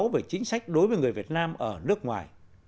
về chính sách đối với người việt nam ở nước ngoài